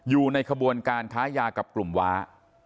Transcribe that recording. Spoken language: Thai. อยู่ในขบวนการค้ายากับกลุ่มว้า